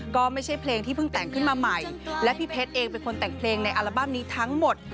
ก็ไม่ใช่เพลงที่เพิ่งแต่งขึ้นมาใหม่และพี่เพชรเองเป็นคนแต่งเพลงในอัลบั้มนี้ทั้งหมด